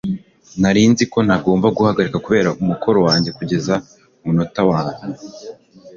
nari nzi ko ntagomba guhagarika gukora umukoro wanjye kugeza kumunota wanyuma